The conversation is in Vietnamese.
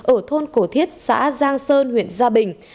ở thôn cổ thiết xã giang sơn huyện gia bình